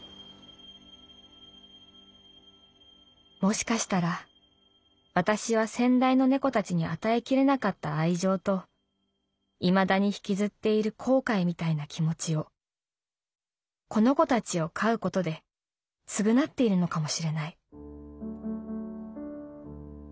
「もしかしたら私は先代の猫たちに与えきれなかった愛情と未だに引きずっている後悔みたいな気持ちをこの子たちを飼うことで償っているのかもしれない」。